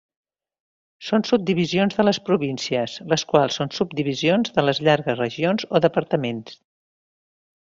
Són subdivisions de les províncies, les quals són subdivisions de les llargues regions o departaments.